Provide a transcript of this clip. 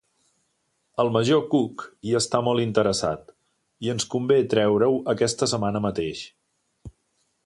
El major Cook hi està molt interessat i ens convé treure-ho aquesta setmana mateix.